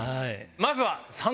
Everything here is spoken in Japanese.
まずは。